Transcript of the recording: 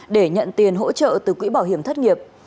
để nhận tiền hỗ trợ từ quỹ bảo hiểm thất nghiệp